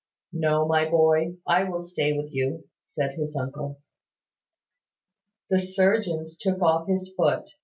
"No, my boy, I will stay with you," said his uncle. The surgeons took off his foot.